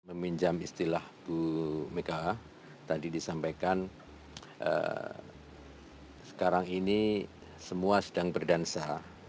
meminjam istilah bu mega tadi disampaikan sekarang ini semua sedang berdansa